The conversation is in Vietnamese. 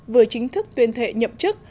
vừa chính thức tuyên thệ nhậm chức